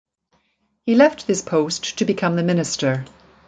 He left this post to become the minister.